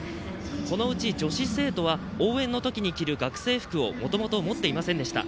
このうち、女子生徒は応援の時に着る学生服をもともと持っていませんでした。